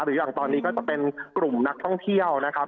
อย่างตอนนี้ก็จะเป็นกลุ่มนักท่องเที่ยวนะครับ